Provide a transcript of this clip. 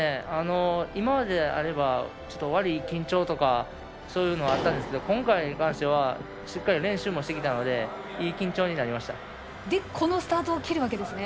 今までであれば悪い緊張とかそういうのはあったんですけど今回に関してはしっかり練習もしてきたのでそれでこのスタートを切るわけですね。